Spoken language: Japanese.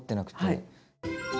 はい。